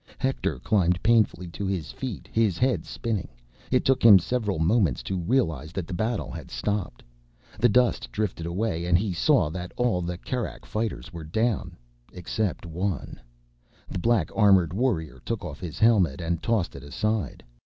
Hector climbed painfully to his feet, his head spinning. It took him several moments to realize that the battle had stopped. The dust drifted away, and he saw that all the Kerak fighters were down—except one. The black armored warrior took off his helmet and tossed it aside.